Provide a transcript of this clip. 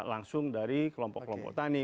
langsung dari kelompok kelompok tani